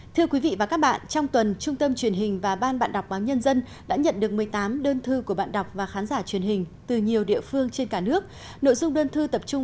thưa quý vị và các bạn trong tuần trung tâm truyền hình và ban bạn đọc báo nhân dân đã nhận được một mươi tám đơn thư của bộ kế hoạch